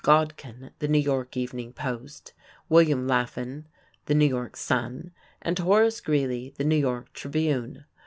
Godkin, the New York Evening Post; William Laffan, the New York Sun; and Horace Greeley, the New York Tribune.